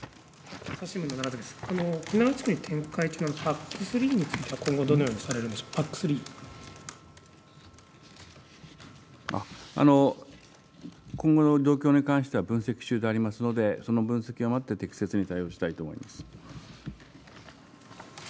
沖縄地区に展開しているＰＡＣ３については、今後どのように今後の状況に関しては、分析中でありますので、その分析を待って適切に対応したいと思います。